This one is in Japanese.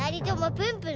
プンプン！